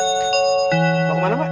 kamu kemana mbak